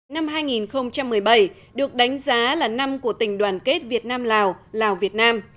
năm hai nghìn một mươi bảy được đánh giá là năm của tình đoàn kết việt nam lào lào việt nam